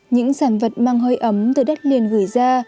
những sản vật mang hơi ấm từ đất liền gửi ra